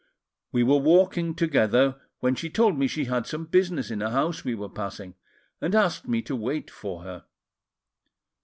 We were walking together, when she told me she had some business in a house we were passing, and asked me to wait for her.